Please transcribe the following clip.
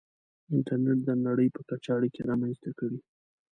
• انټرنېټ د نړۍ په کچه اړیکې رامنځته کړې.